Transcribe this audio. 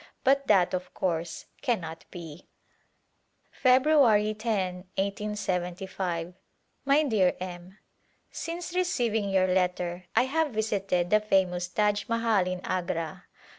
But that, of course, cannot be. February lo^ iSjS My dear M : Since receiving your letter I have visited the famous Taj Mahal in Agra.